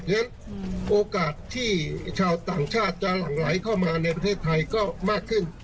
และโอกาสที่ชาวต่างชาติจะหลั่งไหลเข้ามาในประเทศไทยก็มากขึ้น